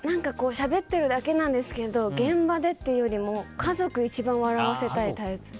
しゃべってるだけなんですけど現場でというよりも家族を一番笑わせたいタイプです。